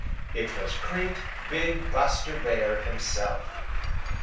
It was great, big Buster Bear himself.